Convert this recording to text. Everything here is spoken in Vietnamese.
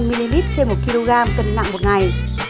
bốn mươi bốn mươi năm ml trên một kg cần nặng một ngày